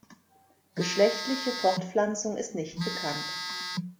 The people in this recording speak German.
Geschlechtliche Fortpflanzung ist nicht bekannt.